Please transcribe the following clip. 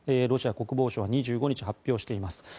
ロシア国防省は２５日、発表しています。